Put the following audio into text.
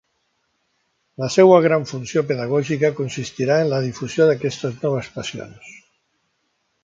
La seua gran funció pedagògica consistirà en la difusió d'aquestes noves passions.